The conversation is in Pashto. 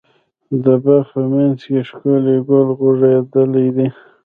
د باغ په منځ کې ښکلی ګل غوړيدلی ده.